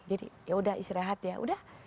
jadi yaudah istirahat ya